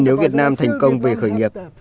nếu việt nam thành công về khởi nghiệp